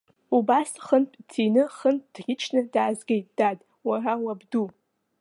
Убас хынтә дҭины, хынтә дӷьычны даазгеит, дад, уара уабду.